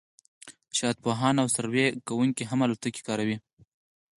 حشرات پوهان او سروې کوونکي هم الوتکې کاروي